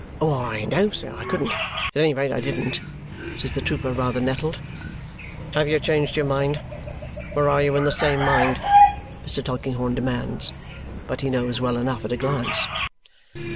"Why, no, sir, I couldn't. At any rate, I didn't," says the trooper, rather nettled. "Have you changed your mind? Or are you in the same mind?" Mr. Tulkinghorn demands. But he knows well enough at a glance.